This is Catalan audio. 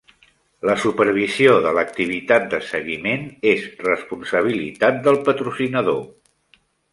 La supervisió de l'activitat de seguiment és responsabilitat del patrocinador.